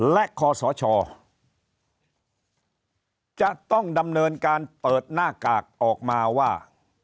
และคอสชจะต้องดำเนินการเปิดหน้ากากออกมาว่า